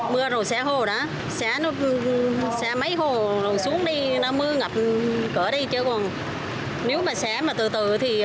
mưa rồi xé hồ đó xé mấy hồ xuống đi nó mưa ngập cỡ đi chứ còn nếu mà xé mà từ từ thì